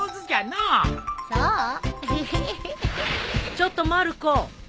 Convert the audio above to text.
・ちょっとまる子。